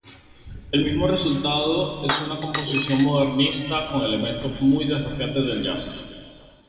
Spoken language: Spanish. El mismo resultado es una composición modernista con elementos muy desafiante del jazz.